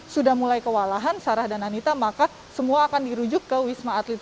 sudah mulai kewalahan sarah dan anita maka semua akan dirujuk ke wisma atlet